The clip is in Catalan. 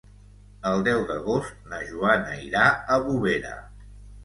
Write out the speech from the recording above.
El deu d'agost na Joana irà a Bovera.